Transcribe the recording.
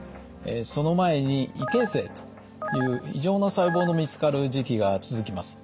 その前に異形成という異常な細胞の見つかる時期が続きます。